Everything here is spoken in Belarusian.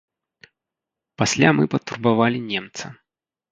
Пасля мы патурбавалі немца.